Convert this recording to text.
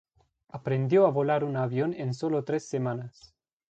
Aprendió a volar un avión en solo tres semanas.